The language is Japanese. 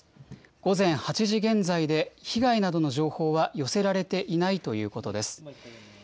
午前８時現在で、被害などの情報は寄せられていないということです。